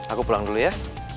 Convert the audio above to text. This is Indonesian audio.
aku pulang dulu ya